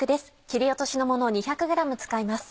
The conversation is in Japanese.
切り落としのものを２００ｇ使います。